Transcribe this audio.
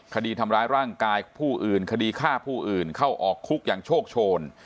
คดีทำร้ายร่างกายผู้อื่นคดีฆ่าผู้อื่นเข้าออกคุกอย่างโชคโชน